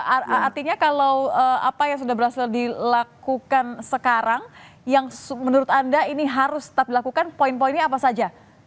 artinya kalau apa yang sudah berhasil dilakukan sekarang yang menurut anda ini harus tetap dilakukan poin poinnya apa saja